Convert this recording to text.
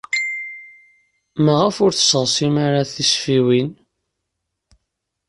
Maɣef ur tesseɣsim ara tisfiwin?